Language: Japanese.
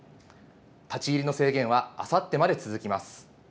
立ち入りの制限はあさってまで続きます。